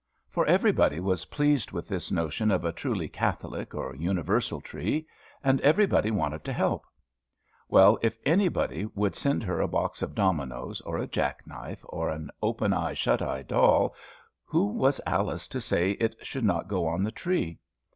For everybody was pleased with this notion of a truly catholic or universal tree; and everybody wanted to help. Well, if anybody would send her a box of dominos, or a jack knife, or an open eye shut eye doll, who was Alice to say it should not go on the tree?